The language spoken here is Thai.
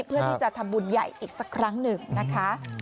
เพื่อที่จะทำบุญใหญ่อีกสักครั้งหนึ่งนะคะ